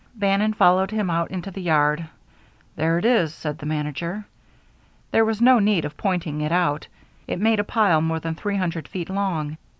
Bannon followed him out into the yard. "There it is," said the manager. There was no need of pointing it out. It made a pile more than three hundred feet long.